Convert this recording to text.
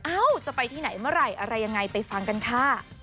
จะไปที่ไหนเมื่อไหร่อะไรยังไงไปฟังกันค่ะ